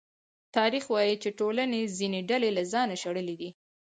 تاریخ وايي چې ټولنې ځینې ډلې له ځانه شړلې دي.